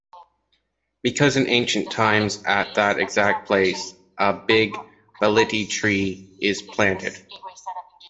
Because in ancient times at that exact place, a Big Baliti Tree is planted.